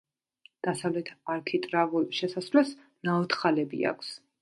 დასავლეთ არქიტრავულ შესასვლელს ნაოთხალები აქვს.